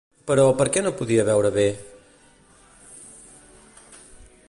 Però, per què no podia veure bé?